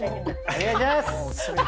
お願いします！